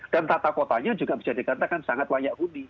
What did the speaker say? dan tata kotanya juga bisa dikatakan sangat layak undi